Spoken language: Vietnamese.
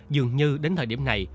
dường như đến thời điểm này